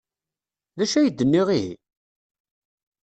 D acu ay d-nniɣ, ihi?